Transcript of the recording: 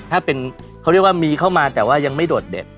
ถ้าเป็นเขาเรียกว่ามีเข้ามาแต่ว่ายังไม่โดดเด็ด